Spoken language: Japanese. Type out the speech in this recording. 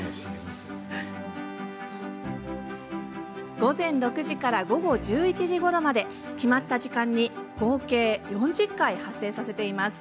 午前６時から午後１１時ごろまで決まった時間に合計４０回発生させています。